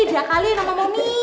dekalin sama mami